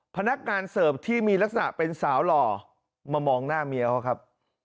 พนักงานเสิร์ฟที่มีลักษณะเป็นสาวหล่อมามองหน้าเมียเขาครับ